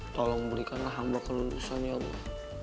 tolong belikanlah hamba kelusan ya allah